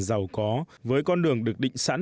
giàu có với con đường được định sẵn